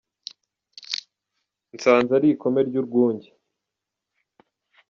Nsanze ari ikome ry’urwunge